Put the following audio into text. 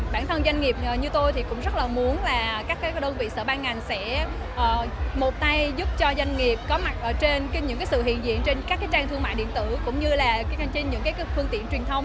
bản thân doanh nghiệp như tôi thì cũng rất là muốn là các đơn vị sở ban ngành sẽ một tay giúp cho doanh nghiệp có mặt ở trên những sự hiện diện trên các trang thương mại điện tử cũng như là trên những phương tiện truyền thông